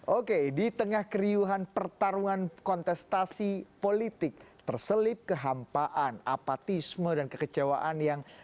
oke di tengah keriuhan pertarungan kontestasi politik terselip kehampaan apatisme dan kekecewaan yang